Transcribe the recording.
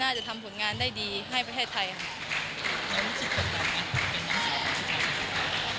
จะทำผลงานได้ดีให้ประเทศไทยค่ะ